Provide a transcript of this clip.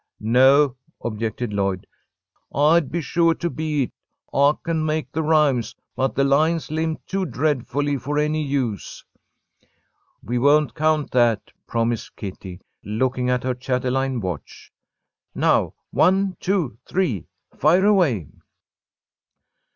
"No," objected Lloyd. "I'd be suah to be it. I can make the rhymes, but the lines limp too dreadfully for any use." "We won't count that," promised Kitty, looking at her chatelaine watch. "Now, one, two, three! Fire away!"